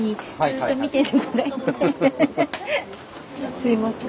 すいません。